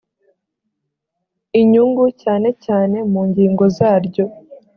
inyungu cyane cyane mu ngingo zaryo